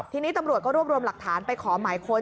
ทีนี้ตำรวจก็รวบรวมหลักฐานไปขอหมายค้น